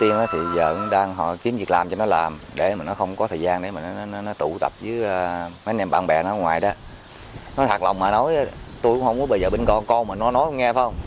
nói thật lòng mà nói tôi cũng không có bây giờ bên con con mà nó nói không nghe phải không